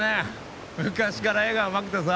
昔から絵がうまくてさ。